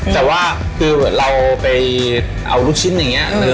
แต่ว่าคือเราไปเอาลูกชิ้นอย่างนี้